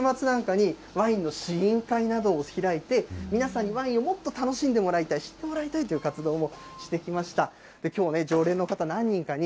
さらにこちらでは、週末なんかにワインの試飲会などを開いて、皆さんにワインをもっと楽しんでもらいたい、知ってもらいたいという活動をしてきました。